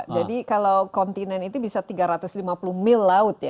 jadi kalau kontinen itu bisa tiga ratus lima puluh mil laut ya